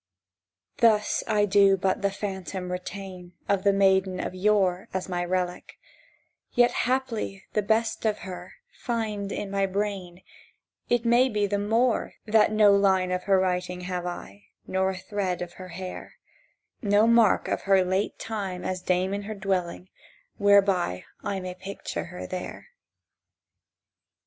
Thus I do but the phantom retain Of the maiden of yore As my relic; yet haply the best of her—fined in my brain It maybe the more That no line of her writing have I, Nor a thread of her hair, No mark of her late time as dame in her dwelling, whereby I may picture her there.